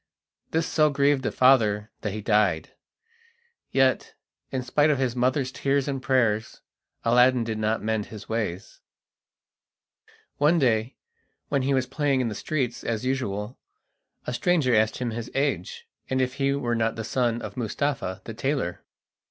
This so grieved the father that he died; yet, in spite of his mother's tears and prayers, Aladdin did not mend his ways. One day, when he was playing in the streets as usual, a stranger asked him his age, and if he were not the son of Mustapha the tailor.